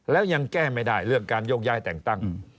แล้วยังแก้ไม่ได้เรื่องการโยกย้ายแต่งตั้ง